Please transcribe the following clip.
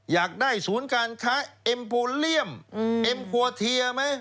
อยากได้ศูนย์การค้าเอ็มโพเลียมเอ็มโคเทียไหม